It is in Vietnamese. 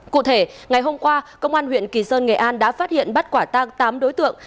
cụ thể ngày hôm qua công an huyện kỳ sơn nghệ an đã phát hiện bắt quả tang tám đối tượng